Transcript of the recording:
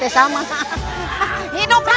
mans yg mana berubah ya